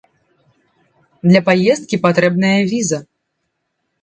Для паездкі патрэбная віза.